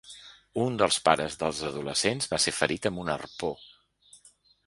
Un dels pares dels adolescents va ser ferit amb un arpó.